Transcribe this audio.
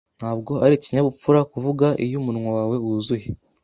Ntabwo ari ikinyabupfura kuvuga iyo umunwa wawe wuzuye.